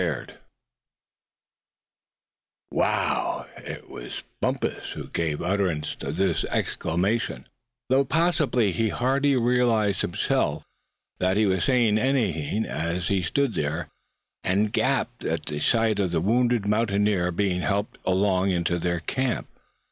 It was Bumpus who gave utterance to this exclamation, though possibly he hardly realized, himself, that he was saying anything, as he stood there, and gaped at the sight of the wounded mountaineer being helped along into their camp.